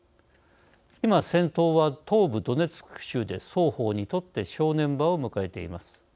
今、戦闘は東部ドネツク州で双方にとって正念場を迎えています。